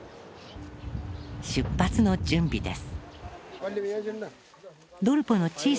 出発の準備です。